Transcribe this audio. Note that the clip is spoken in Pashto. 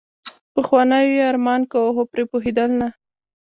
پخوانیو يې ارمان کاوه خو پرې پوهېدل نه.